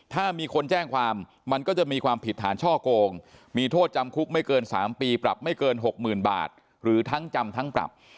ถ้ามีคนแจ้งความมันก็จะมีความผิดฐานช่อโกงมีโทษจำคุกไม่เกิน๓ปีปรับไม่เกิน๖๐๐๐บาทหรือทั้งจำทั้งปรับ